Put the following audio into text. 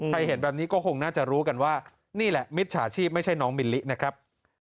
เห็นแบบนี้ก็คงน่าจะรู้กันว่านี่แหละมิจฉาชีพไม่ใช่น้องมิลลินะครับ